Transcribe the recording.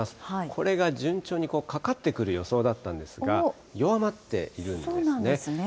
これが順調にかかってくる予想だったんですが、弱まっているんでそうなんですね。